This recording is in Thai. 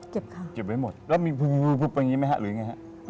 เก็บค่ะเก็บไว้หมดแล้วมีภูมิแบบนี้ไหมครับหรืออย่างไรครับ